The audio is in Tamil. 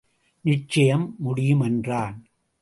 நிச்சயம் முடியும் என்றான்.